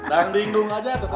dang ding dung aja tetep